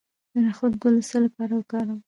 د نخود ګل د څه لپاره وکاروم؟